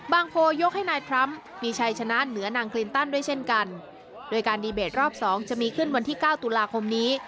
โพยกให้นายทรัมป์มีชัยชนะเหนือนางคลินตันด้วยเช่นกันโดยการดีเบตรอบสองจะมีขึ้นวันที่เก้าตุลาคมนี้